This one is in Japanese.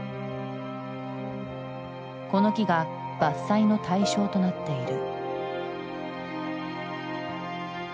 この木が伐採の対象となっている。